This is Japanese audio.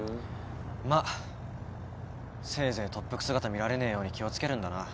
まあせいぜい特服姿見られねえように気を付けるんだな。